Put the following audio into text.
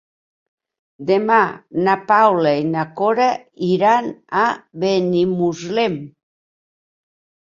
Demà na Paula i na Cora iran a Benimuslem.